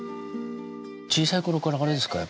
小さい頃からあれですか？